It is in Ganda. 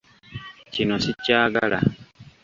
Kino sikyagala.